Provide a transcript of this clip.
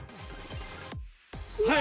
はい！